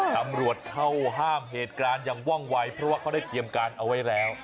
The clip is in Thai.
ตำรวจเข้าห้ามเหตุการณ์อย่างว่องวัยเพราะว่าเขาได้เตรียมการเอาไว้แล้ว